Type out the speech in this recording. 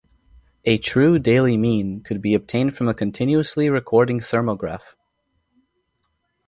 A true daily mean could be obtained from a continuously-recording thermograph.